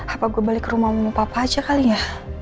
apa gua balik ke rumah mau minta apa aja kali ya